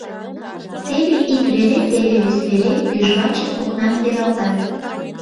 Теве ик вере, теве вес вере тӱжвачын окнам пералтат.